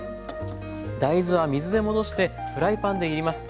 大豆は水で戻してフライパンでいります。